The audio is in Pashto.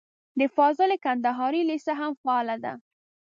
د فاضل کندهاري لېسه هم فعاله ده.